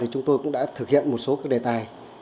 chúng tôi cũng đã thực hiện một số đề tài